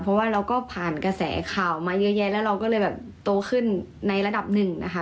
เพราะว่าเราก็ผ่านกระแสข่าวมาเยอะแยะแล้วเราก็เลยแบบโตขึ้นในระดับหนึ่งนะคะ